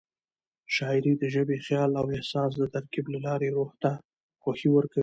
شاعري د ژبې، خیال او احساس د ترکیب له لارې روح ته خوښي ورکوي.